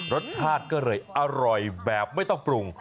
รสชาติก็เลยอร่อยแบบไม่ต้องปรุง